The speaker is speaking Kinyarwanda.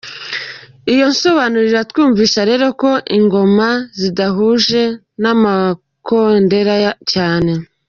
Iyo nsobanuro iratwumvisha rero ko ingoma zidahuje n’Amakondera cyane.